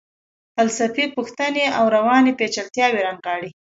فلسفي پوښتنې او رواني پیچلتیاوې رانغاړي.